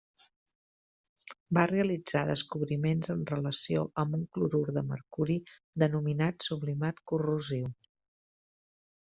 Va realitzar descobriments en relació amb un clorur de mercuri denominat sublimat corrosiu.